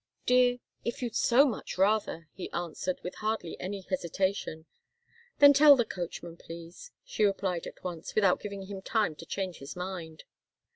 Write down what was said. "Dear if you'd so much rather," he answered, with hardly any hesitation. "Then tell the coachman, please," she replied at once, without giving him time to change his mind.